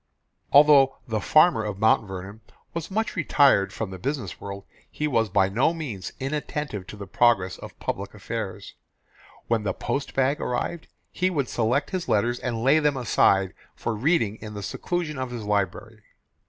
Although the Farmer of Mount Vernon was much retired from the business world, he was by no means inattentive to the progress of public affairs. When the post bag arrived, he would select his letters and lay them aside for reading in the seclusion of his library.